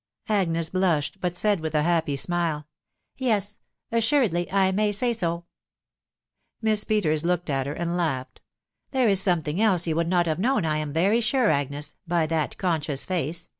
Agnes blushed, but said with a happy smile, " Tes assuredly I may say so." Miss Peters looked at her, and langhetL " These is some thing else ye* would not have known, I am very sure, Agnes, by that conscious face